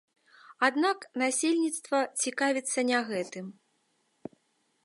Аднак насельніцтва цікавіцца не гэтым.